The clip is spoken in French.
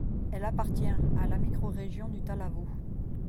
Elle appartient à la microrégion du Talavo.